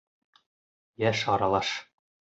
Йәш аралаш.